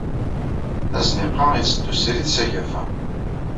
Azniq-a itteddu srid s agafa.